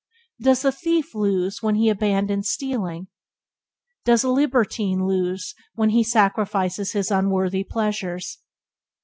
Does the thief lose when he abandons stealing? Does the libertine lose when he sacrifices his unworthy pleasures?